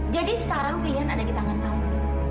jadi sekarang pilihan ada di tangan kamu mila